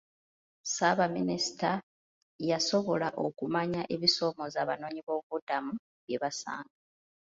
Ssaabaminisita yasobola okumanya ebisoomooza abanoonyiboobubudamu bye basanga.